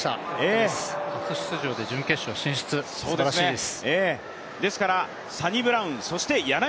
初出場で準決勝進出、すばらしいです。